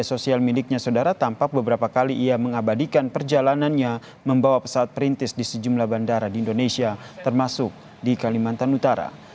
sosial miliknya saudara tampak beberapa kali ia mengabadikan perjalanannya membawa pesawat perintis di sejumlah bandara di indonesia termasuk di kalimantan utara